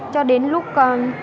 cho đến lúc